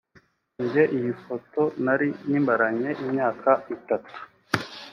njye iyi foto nari nyimaranye imyaka itatu